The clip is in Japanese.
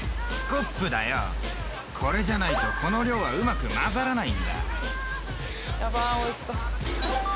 これじゃないとこの量はウマくまざらないんだあー